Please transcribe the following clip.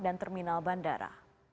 dan terminal bandara